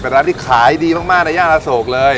เป็นร้านที่ขายดีมากมากในหญ้าอโสกเลย